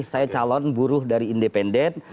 saya calon buruh dari independen